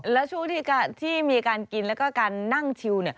แล้วช่วงที่มีการกินแล้วก็การนั่งชิว